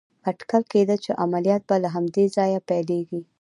اټکل کېده چې عملیات به له همدې ځایه پيلېږي.